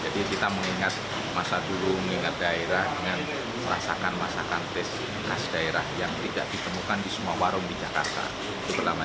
jadi kita mengingat masa dulu mengingat daerah dengan merasakan masakan tes khas daerah yang tidak ditemukan di semua warung di jakarta